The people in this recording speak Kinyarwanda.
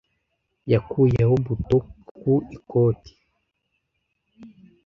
Yakuyeho buto ku ikoti.